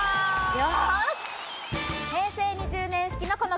よし！